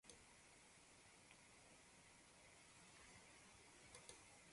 Tarakilishi ni nzuri kwa kufuata amri na kuhifadhi vitu muhimu.